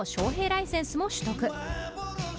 ライセンスも取得。